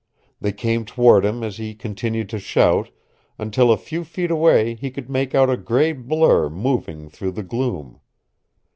They came toward him as he continued to shout, until a few feet away he could make out a gray blur moving through the gloom.